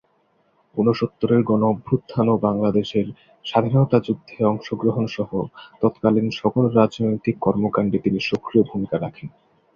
ঊনসত্তরের গণ-অভ্যুত্থান ও বাংলাদেশের স্বাধীনতা যুদ্ধে অংশগ্রহণসহ তৎকালীন সকল রাজনৈতিক কর্মকাণ্ডে তিনি সক্রিয় ভূমিকা রাখেন।